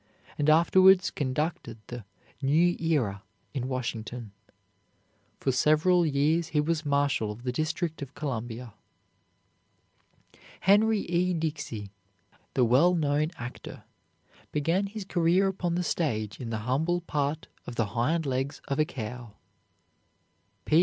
and afterwards conducted the "New Era" in Washington. For several years he was Marshal of the District of Columbia. Henry E. Dixey, the well known actor, began his career upon the stage in the humble part of the hind legs of a cow.